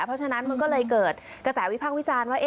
เพราะฉะนั้นมันก็เลยเกิดกระแสวิพากษ์วิจารณ์ว่า